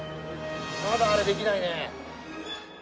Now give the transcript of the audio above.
まだあれできないね。